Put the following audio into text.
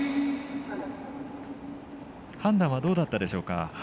判断はどうだったでしょうか。